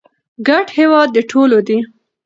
ګډ هېواد د ټولو دی.